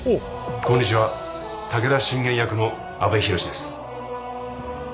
こんにちは武田信玄役の阿部寛です。